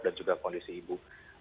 dan juga kondisi ibu